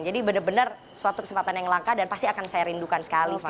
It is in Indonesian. jadi benar benar suatu kesempatan yang langka dan pasti akan saya rindukan sekali fai